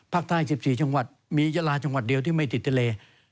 ภาคใต้๑๔จังหวัดมียาลาจังหวัดเดียวที่ไม่ติดทะเล